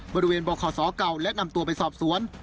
บริเวณบขศเก่าและนำตัวไปสอบสวน